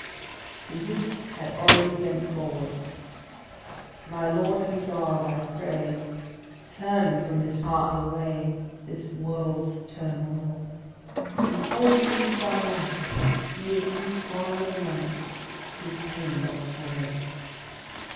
The youth had already bent forward "My Lord and God, I pray, Turn from his heart away This world's turmoil; And call him to Thy light, Be it through sorrow's night, Through pain or toil."